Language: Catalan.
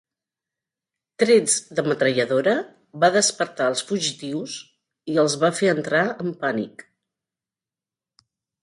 Trets de metralladora va despertar els fugitius i els va fer entrar en pànic.